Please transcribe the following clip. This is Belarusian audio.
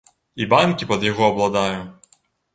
І банкі пад яго абладаю.